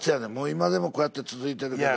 今でもこうやって続いてるけど。